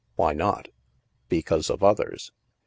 "Why not?" " Because of others.